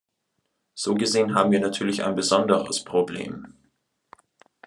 So gesehen haben wir natürlich ein besonderes Problem.